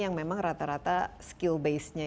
yang memang rata rata skill base nya